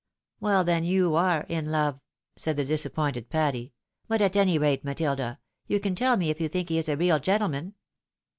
" Well, then, you are in love," said the disappointed Patty ;" but at any rate, Matilda, you can tell me if you think he is a real gentleman